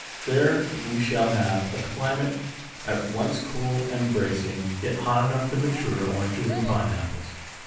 There we shall have a climate at once cool and bracing, yet hot enough to mature oranges and pine apples.